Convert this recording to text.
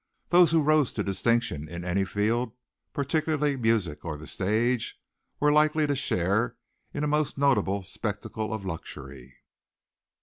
Those who rose to distinction in any field, particularly music or the stage, were likely to share in a most notable spectacle of luxury.